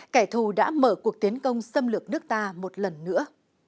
kẻ thù đã mở cuộc tiến công xâm lược nước ta một lần nữa